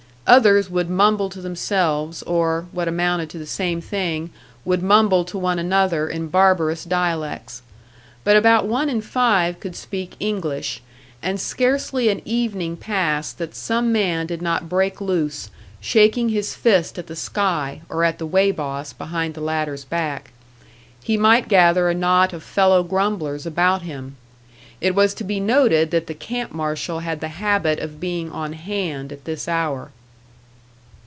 Others would mumble to themselves or, what amounted to the same thing, would mumble to one another in barbarous dialects. But about one in five could speak English; and scarcely an evening passed that some man did not break loose, shaking his fist at the sky, or at the weigh boss behind the latter's back. He might gather a knot of fellow grumblers about him; it was to be noted that the camp marshal had the habit of being on hand at this hour.